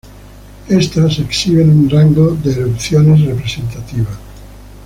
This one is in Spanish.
Estas exhiben un rango de erupciones representativas.